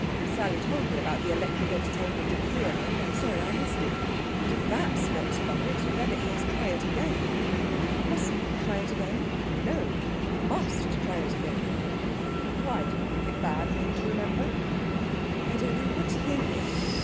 "Sally told me about the electric entertainment at the pier end. I'm sorry I missed it. But if that's what's done it, Fenwick must try it again." "Mustn't try it again?" "No must try it again. Why, do you think it bad for him to remember?" "I don't know what to think."